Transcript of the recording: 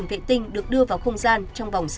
vệ tinh được đưa vào không gian trong vòng